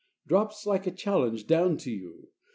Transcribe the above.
Drops like a challenge down to you.